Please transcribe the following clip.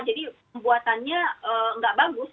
jadi pembuatannya enggak bagus